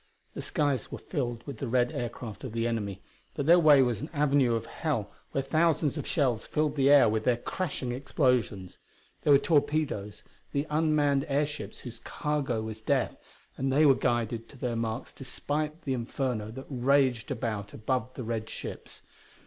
The skies were filled with the red aircraft of the enemy, but their way was an avenue of hell where thousands of shells filled the air with their crashing explosions. There were torpedoes, the unmanned airships whose cargo was death, and they were guided to their marks despite the inferno that raged about the red ships above.